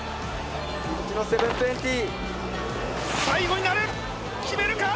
最後になる！